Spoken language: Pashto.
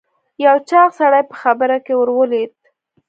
یو چاغ سړی په خبره کې ور ولوېد.